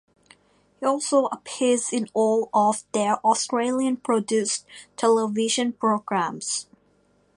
He also appears in all of their Australian-produced television programs.